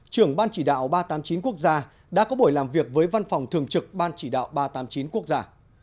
trưởng ban chỉ đạo ba trăm tám mươi chín quốc gia đã có buổi làm việc với văn phòng thường trực ban chỉ đạo ba trăm tám mươi chín quốc gia